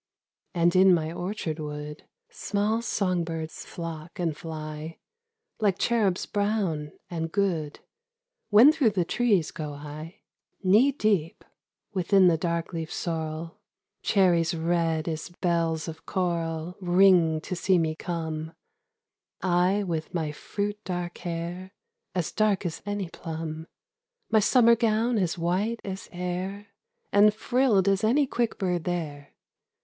And in my orchard wood Small song birds flock and fly — Like cherubs brown and good, When through the trees go I 81 Two Orchard Poems. Knee deep within the dark leaved sorrel, Cherries red as bells of coral Ring to see me come — I with my fruit dark hair, As dark as any plum ; My summer gown as white as air And frilled as any quick bird there.